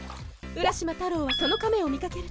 浦島太郎はその亀を見かけると